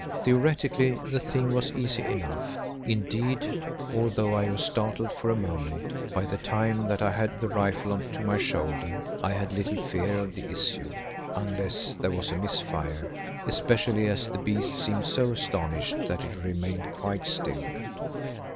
Theoretically the thing was easy enough; indeed, although I was startled for a moment, by the time that I had the rifle to my shoulder I had little fear of the issue, unless there was a miss fire, especially as the beast seemed so astonished that it remained quite still.